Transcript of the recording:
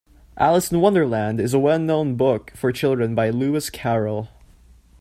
Alice in Wonderland is a well-known book for children by Lewis Carroll